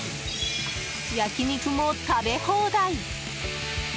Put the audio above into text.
焼き肉も食べ放題！